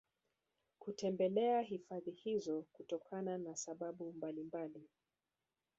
kutembelea hifadhi hizo kutokana na sababu mbalimbali